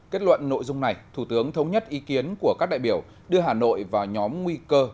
kết luận nội dung này thủ tướng thống nhất ý kiến của các đại biểu đưa hà nội vào nhóm nguy cơ